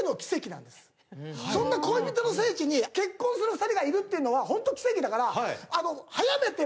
そんな恋人の聖地に結婚する２人がいるっていうのはホント奇跡だから。